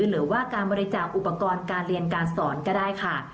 หรือว่าการบริจาคอุปกรณ์การเรียนการสอนก็ได้ค่ะ